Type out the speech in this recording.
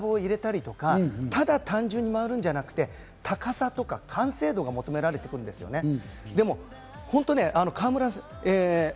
さらにそこにグラブを入れたりとか、ただ単純に回るんじゃなくて高さとか完成度が求められてくるんですよね。